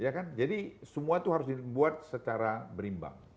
ya kan jadi semua itu harus dibuat secara berimbang